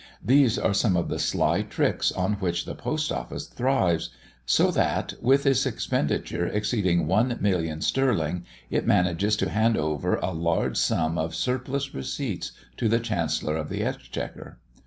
These are some of the sly tricks on which the Post Office thrives, so that, with its expenditure exceeding one million sterling, it manages to hand over a large sum of surplus receipts to the Chancellor of the Exchequer.